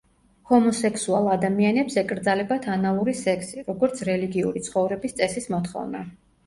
ჰომოსექსუალ ადამიანებს ეკრძალებათ ანალური სექსი, როგორც რელიგიური ცხოვრების წესის მოთხოვნა.